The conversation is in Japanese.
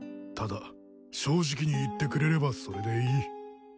ただ正直に言ってくれればそれでいい。